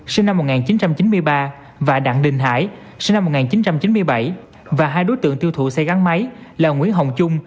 sinh năm một nghìn chín trăm chín mươi ba và đặng đình hải sinh năm một nghìn chín trăm chín mươi bảy và hai đối tượng tiêu thụ xe gắn máy là nguyễn hồng trung